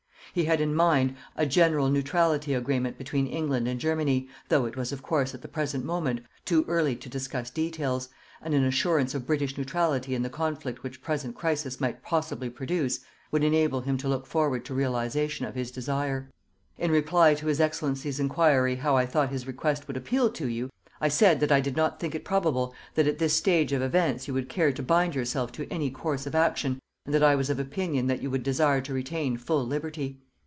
He had in mind a general neutrality agreement between England and Germany, though it was of course at the present moment too early to discuss details, and an assurance of British neutrality in the conflict which present crisis might possibly produce, would enable him to look forward to realisation of his desire. In reply to his Excellency's inquiry how I thought his request would appeal to you, I said that I did not think it probable that at this stage of events you would care to bind yourself to any course of action and that I was of opinion that you would desire to retain full liberty.